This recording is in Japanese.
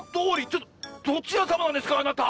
ちょっとどちらさまなんですかあなた？